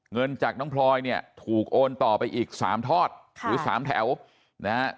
เงินจากน้องพลอยเนี่ยถูกโอนต่อไปอีกสามทอดหรือ๓แถวนะฮะ